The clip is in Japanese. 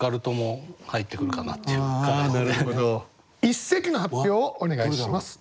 一席の発表をお願いします。